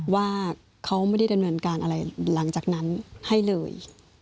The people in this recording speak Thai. ว่าเขาไม่ได้ดำเนินการอะไรหลังจากนั้นให้เลย